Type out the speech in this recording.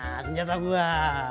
nah senjata gua